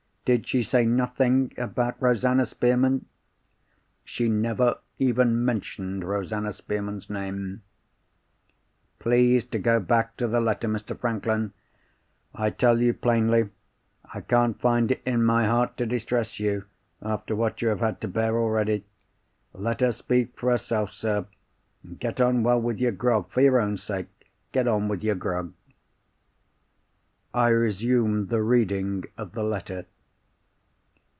"Did she say nothing about Rosanna Spearman?" "She never even mentioned Rosanna Spearman's name." "Please to go back to the letter, Mr. Franklin. I tell you plainly, I can't find it in my heart to distress you, after what you have had to bear already. Let her speak for herself, sir. And get on with your grog. For your own sake, get on with your grog." I resumed the reading of the letter.